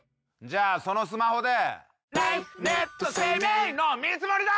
じゃあそのスマホで。